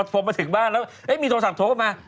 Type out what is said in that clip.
พอมาถึงบ้านแล้วมีโทรศัพท์โทรเข้ามา